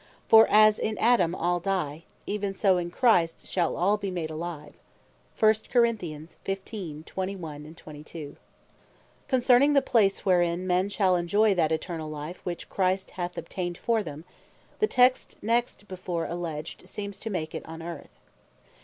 For as in Adam all die, even so in Christ shall all be made alive." Texts Concerning The Place Of Life Eternall For Beleevers Concerning the place wherein men shall enjoy that Eternall Life, which Christ hath obtained for them, the texts next before alledged seem to make it on Earth.